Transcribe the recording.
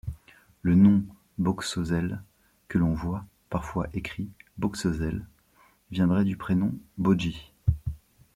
Le nom Bocsozel, que l'on voit parfois écrit Bocsossel, viendrait du prénom Boggis.